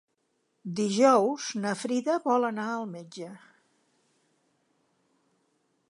Dijous na Frida vol anar al metge.